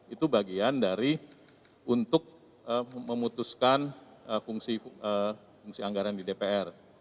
itu bagian dari untuk memutuskan fungsi anggaran di dpr